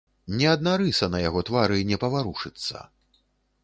Ні адна рыса на яго твары не паварушыцца.